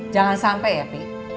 jangan sampai ya pi